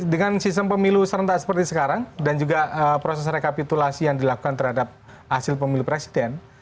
dengan sistem pemilu serentak seperti sekarang dan juga proses rekapitulasi yang dilakukan terhadap hasil pemilu presiden